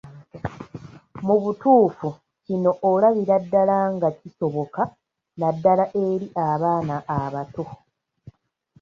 Mu butuufu kino olabira ddala nga kisoboka naddala eri abaana abato.